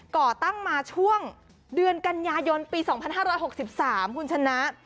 ก่อตั้งมาช่วงเดือนกันยายนปี๒๕๖๓คุณชนะ